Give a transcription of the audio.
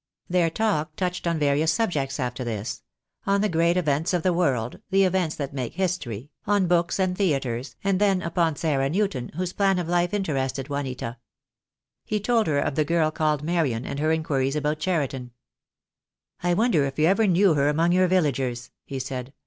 Their talk touched on various subjects after this — on the great events of the world, the events that make his tory— on books and theatres, and then upon Sarah New ton, whose plan of life interested Juanita. 19* 292 THE DAY WILL COME. He told her of the girl called Marian, and her in quiries about Cheriton. "I wonder if you ever knew her among your villagers," he said.